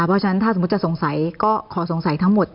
เพราะฉะนั้นถ้าสมมุติจะสงสัยก็ขอสงสัยทั้งหมด